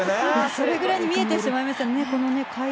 それぐらいに見えてしまいましたね。